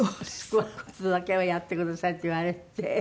「スクワットだけはやってください」って言われて。